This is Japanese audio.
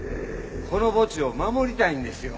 この墓地を守りたいんですよ。